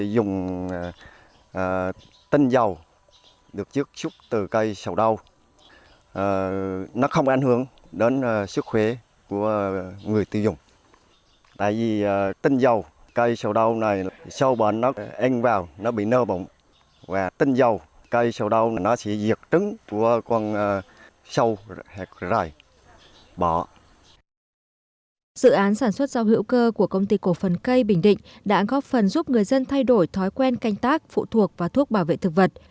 dự án sản xuất rau hữu cơ của công ty cổ phần cây bình định đã góp phần giúp người dân thay đổi thói quen canh tác phụ thuộc vào thuốc bảo vệ thực vật